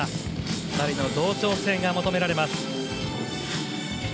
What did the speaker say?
２人の同調性が求められます。